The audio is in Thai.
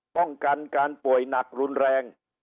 ป้องกันการป่วยหนักรุนแรง